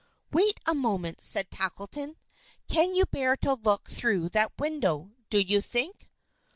"Wait a moment!" said Tackleton. "Can you bear to look through that window, do you think?"